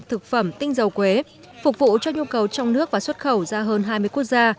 thực phẩm tinh dầu quế phục vụ cho nhu cầu trong nước và xuất khẩu ra hơn hai mươi quốc gia